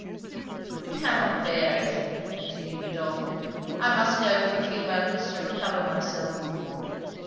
'I cannot bear it!' continued Godolphin 'I must go for a few moments to recover myself!'